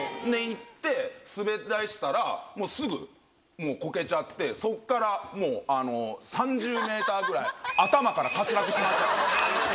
行って滑りだしたらすぐこけちゃってそっからもう３０ｍぐらい頭から滑落しましたから。